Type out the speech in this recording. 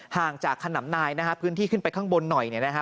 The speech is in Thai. ห่างจากขนำนายนะฮะพื้นที่ขึ้นไปข้างบนหน่อยเนี่ยนะฮะ